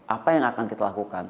apa yang akan kita lakukan